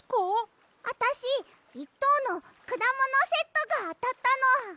あたし１とうのくだものセットがあたったの。